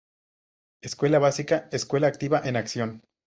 Escuela Básica: Escuela activa en acción.